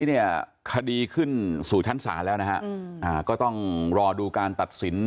เนี่ยคดีขึ้นสู่ชั้นศาลแล้วนะฮะก็ต้องรอดูการตัดสิน